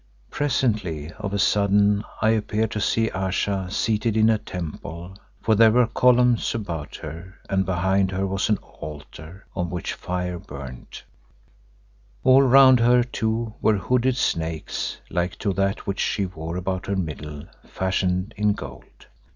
Presently, of a sudden, I appeared to see Ayesha seated in a temple, for there were columns about her, and behind her was an altar on which a fire burned. All round her, too, were hooded snakes like to that which she wore about her middle, fashioned in gold.